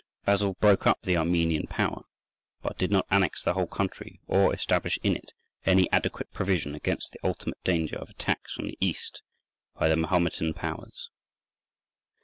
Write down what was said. Basil broke up the Armenian power, but did not annex the whole country, or establish in it any adequate provision against the ultimate danger of attacks from the East by the Mahometan powers.